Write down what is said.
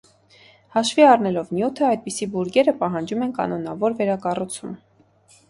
Հաշվի առնելով նյութը, այդպիսի բուրգերը պահանջում են կանոնավոր վերակառուցում։